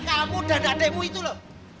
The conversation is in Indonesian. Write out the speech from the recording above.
kamu dada ademmu itu loh